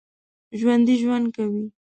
ژوندي ژوند کوي